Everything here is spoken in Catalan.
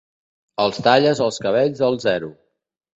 Els talles els cabells al zero.